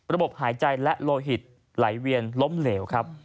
หายใจและโลหิตไหลเวียนล้มเหลวครับ